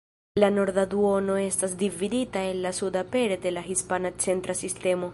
La norda duono estas dividita el la suda pere de la Hispana Centra Sistemo.